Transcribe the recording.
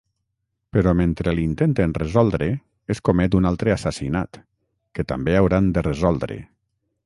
Però mentre l'intenten resoldre es comet un altre assassinat, que també hauran de resoldre.